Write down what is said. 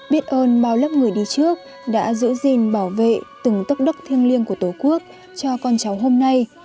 biết ơn bao lớp người đi trước đã giữ gìn bảo vệ từng tất đất thiêng liêng của tổ quốc cho con cháu hôm nay